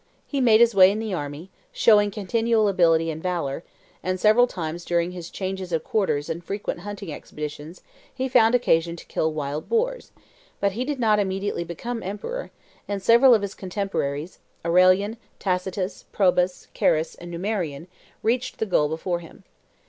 He made his way in the army, showing continual ability and valor, and several times during his changes of quarters and frequent hunting expeditions he found occasion to kill wild boars; but he did not immediately become emperor, and several of his contemporaries, Aurelian, Tacitus, Probus, Carus, and Numerian, reached the goal before him.